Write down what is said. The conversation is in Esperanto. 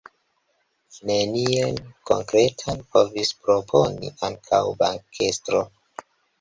Nenion konkretan povis proponi ankaŭ bankestroj.